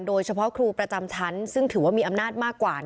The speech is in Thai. โดยเฉพาะครูประจำชั้นซึ่งถือว่ามีอำนาจมากกว่า